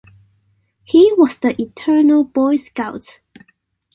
He was the eternal Boy Scout.